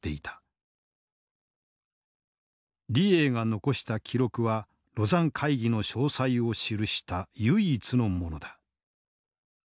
李鋭が残した記録は廬山会議の詳細を記した唯一のものだ。